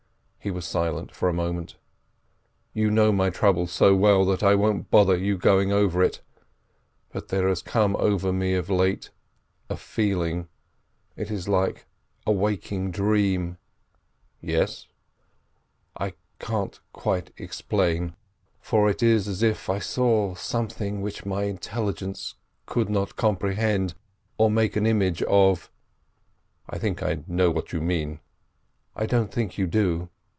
He was silent for a moment. "You know my trouble so well that I won't bother you going over it, but there has come over me of late a feeling—it is like a waking dream." "Yes?" "I can't quite explain, for it is as if I saw something which my intelligence could not comprehend, or make an image of." "I think I know what you mean." "I don't think you do.